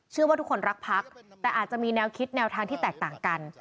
ว่าทุกคนรักพักแต่อาจจะมีแนวคิดแนวทางที่แตกต่างกัน